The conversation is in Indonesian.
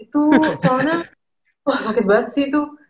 itu soalnya wah sakit banget sih tuh